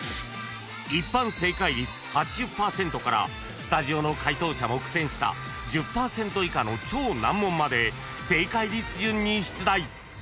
［一般正解率８０％からスタジオの解答者も苦戦した１０％以下の超難問まで正解率順に出題］